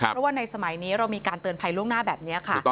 เพราะว่าในสมัยนี้เรามีการเตือนภัยล่วงหน้าแบบนี้ค่ะ